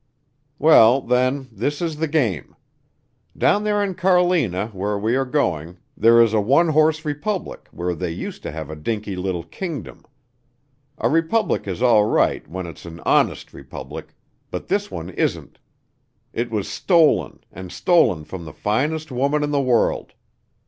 "Well, then, this is the game: down there in Carlina where we are going there is a one horse republic where they used to have a dinky little kingdom. A republic is all right when it's an honest republic, but this one isn't. It was stolen, and stolen from the finest woman in the world.